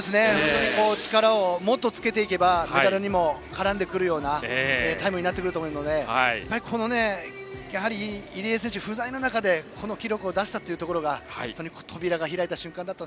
力をもっとつけていけばメダルにも絡んでくるようなタイムになってくると思うのでやはり、入江選手不在の中でこの記録を出したということが扉が開いた瞬間でした。